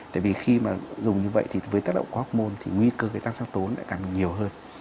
tại vì khi mà dùng như vậy thì với tác động của hormôn thì nguy cơ cái tăng xác tố lại càng nhiều hơn